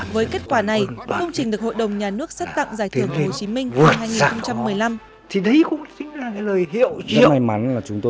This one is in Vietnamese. với kết quả này công trình được hội đồng nhà nước xét tặng giải thưởng hồ chí minh năm hai nghìn một mươi năm